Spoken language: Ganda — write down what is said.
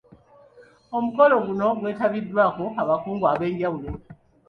Omukolo guno gwetabiddwako abakungu ab'enjawulo